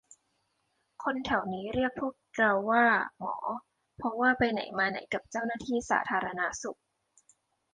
คนแถวนี้เรียกพวกเราว่า 'หมอ' เพราะว่าไปไหนมาไหนกับเจ้าหน้าที่สาธารณสุข